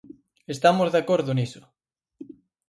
Estamos de acordo niso.